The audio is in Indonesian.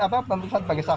apa pemirsa bagi saksi